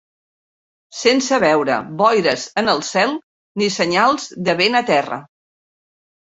Sense veure boires en el cel ni senyals de vent a la terra.